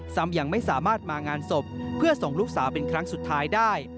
ยังไม่สามารถมางานศพเพื่อส่งลูกสาวเป็นครั้งสุดท้ายได้